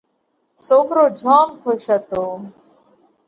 سوڪرو جوم کُش هتو۔